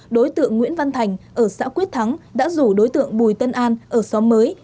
đối tượng nguyễn văn thành ở xã quyết thắng đã rủ đối tượng bùi tân an ở xóm mới